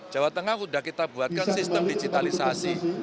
jawa tengah sudah kita buatkan sistem digitalisasi